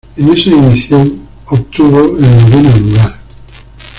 En esa edición obtuvo el noveno lugar.